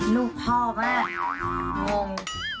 ลูกพ่อแม่งง